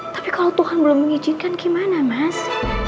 tapi kalau tuhan belum mengizinkan gimana mas